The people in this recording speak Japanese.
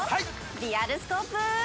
リアルスコープ。